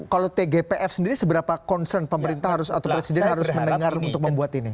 kalau tgpf sendiri seberapa concern pemerintah harus atau presiden harus mendengar untuk membuat ini